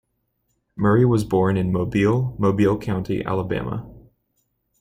Murray was born in Mobile, Mobile County, Alabama.